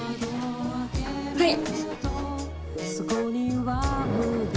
はい！